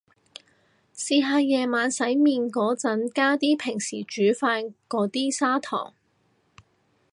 試下夜晚洗面個陣加啲平時煮飯個啲砂糖